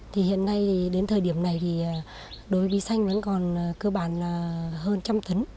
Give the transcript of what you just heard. thì hiện nay đến thời điểm này thì đối với bí xanh vẫn còn cơ bản là hơn một trăm linh tấn